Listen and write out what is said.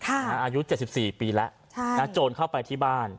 อายุเจ็บสิบสี่ปีแล้วโจรเข้าไปที่บ้าน